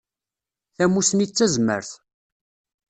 Tamussni d tazmert.